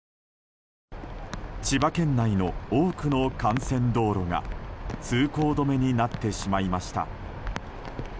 千葉県内の多くの幹線道路が通行止めになってしまいました。